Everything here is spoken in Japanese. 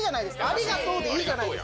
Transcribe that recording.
ありがとうでいいじゃないですか。